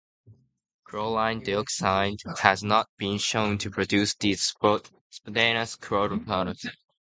Chlorine dioxide has not been shown to produce these spontaneous chlorophenols.